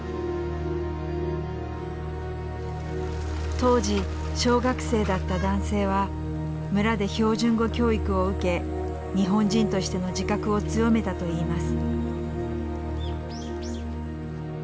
当時小学生だった男性は村で標準語教育を受け日本人としての自覚を強めたと言います。